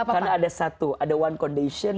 karena ada satu ada one condition